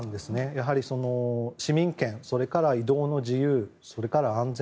やはり市民権それから移動の自由、安全。